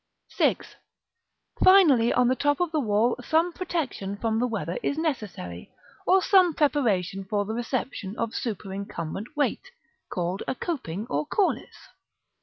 § VI. Finally, on the top of the wall some protection from the weather is necessary, or some preparation for the reception of superincumbent weight, called a coping, or Cornice.